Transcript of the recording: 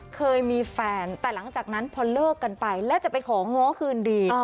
เคยมีแฟนแต่หลังจากนั้นพอเลิกกันไปแล้วจะไปของง้อคืนดี